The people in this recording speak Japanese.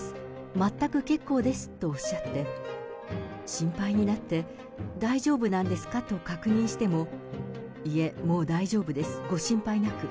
全く結構ですとおっしゃって、心配になって、大丈夫なんですかと確認しても、いえ、もう大丈夫です、ご心配なく。